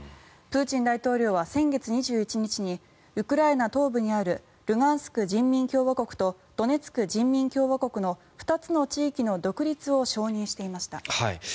プーチン大統領は先月２１日にウクライナ東部にあるルガンスク人民共和国とドネツク人民共和国の２つの地域の独立を承認していました。